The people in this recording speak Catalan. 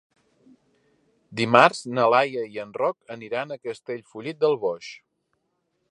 Dimarts na Laia i en Roc aniran a Castellfollit del Boix.